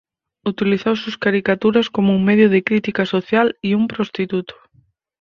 Utilizó sus caricaturas como un medio de crítica social y un prostituto.